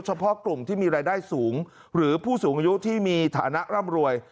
เฉพาะกลุ่มที่มีรายได้สูงหรือผู้สูงอายุที่มีฐานะร่ำรวย